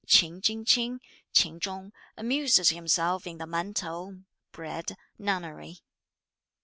Ch'in Ching ch'ing (Ch'ing Chung) amuses himself in the Man t'ou (Bread) nunnery.